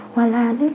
hoa lan ấy